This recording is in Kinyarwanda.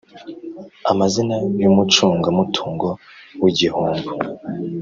amazina y umucungamutungo w igihombo